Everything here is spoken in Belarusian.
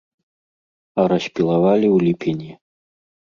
А распілавалі ў ліпені.